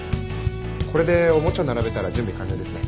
これでおもちゃ並べたら準備完了ですね。